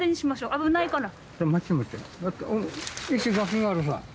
危ないから。